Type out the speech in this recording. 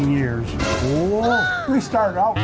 เรามาก่อนจากประธานการณ์กัน